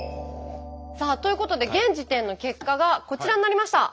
さあということで現時点の結果がこちらになりました！